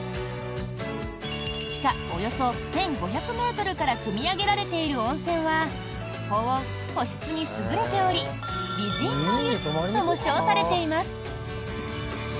地下およそ１５００ｍからくみ上げられている温泉は保温・保湿に優れており美人の湯とも称されています。